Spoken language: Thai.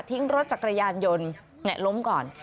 รถจักรยานยนต์ล้มก่อน